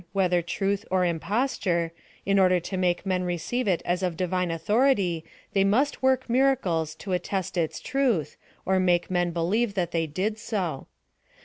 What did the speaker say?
62 PHILOSOPHY OF THK whether truth or imposture, in order to make men receive it as of divine authority, they must work miracles to attest its truth, or make men believe thai they did so.